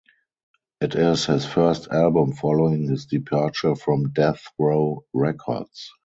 It is his first album following his departure from Death Row Records.